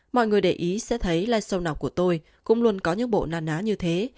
mọi người để ý sẽ thấy live show nào của tôi cũng luôn có những bộ nan ná như thế